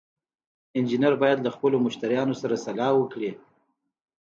انجینر باید له خپلو مشتریانو سره سلا وکړي.